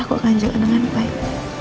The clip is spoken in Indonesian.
aku akan jaga dengan baik